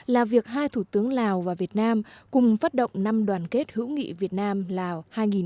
là việc hai thủ tướng lào và việt nam cùng phát động năm đoàn kết hữu nghị việt nam lào hai nghìn một mươi chín